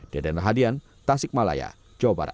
deden rahadian tasik malaya jawa barat